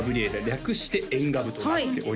略してエンガブとなっております